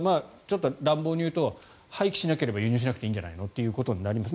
乱暴に言うと廃棄しなければ輸入しなくていいんじゃないの？ということになります。